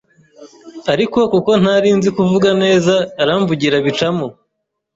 ariko kuko ntari nzi kuvuga neza aramvugira bicamo